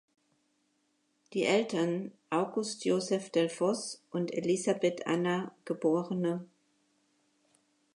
Die Eltern, August Joseph Delfosse und Elisabeth Anna geb.